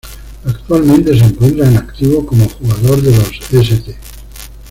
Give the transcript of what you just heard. Actualmente se encuentra en activo como jugador de los St.